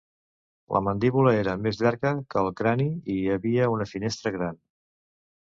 La mandíbula era més llarga que el crani, i hi havia una finestra gran.